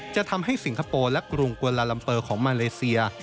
จะทำให้สิงคโปร์และกรุงกวนลาลัมเปอร์ของมาเลเซีย